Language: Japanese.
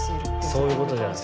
そういうことじゃないですか。